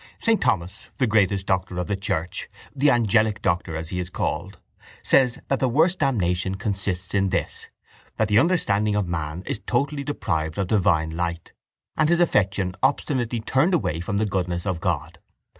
Saint Thomas, the greatest doctor of the church, the angelic doctor, as he is called, says that the worst damnation consists in this that the understanding of man is totally deprived of divine light and his affection obstinately turned away from the goodness of God.